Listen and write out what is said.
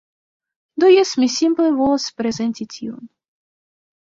Do jes, mi simple volas prezenti tion.